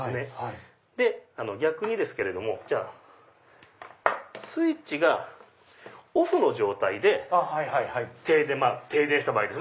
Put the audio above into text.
で逆にですけれどもスイッチがオフの状態で停電した場合ですね。